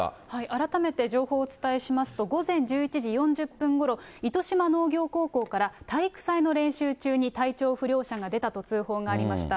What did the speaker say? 改めて情報をお伝えしますと、午前１１時４０分ごろ、糸島農業高校から、体育祭の練習中に体調不良者が出たと通報がありました。